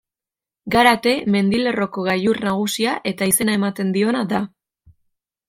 Garate mendilerroko gailur nagusia eta izena ematen diona da.